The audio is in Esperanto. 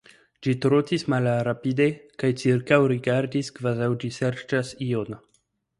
Ĝi trotis malrapide, kaj ĉirkaŭrigardadis, kvazaŭ ĝi serĉas ion.